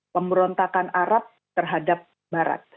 pemberontakan arab terhadap barat